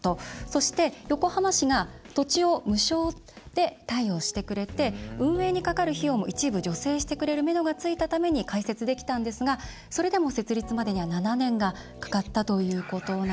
そして、横浜市が土地を無償で貸与してくれて運営にかかる費用も一部、助成してくれるめどがついたために開設できたんですがそれでも設立までには７年がかかったということなんですね。